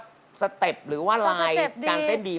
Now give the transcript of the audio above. ขนตำแต่ปหรือว่าไลน์การเต้นดีมากไลน์การเต้นดี